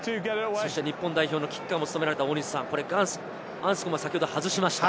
日本代表のキッカーも務めた大西さん、アンスコムが先ほど外しました。